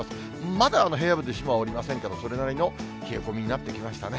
まだ平野部で霜は降りませんけど、それなりの冷え込みになってきましたね。